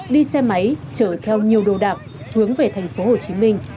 đi xe máy chở theo nhiều đồ đạm hướng về thành phố hồ chí minh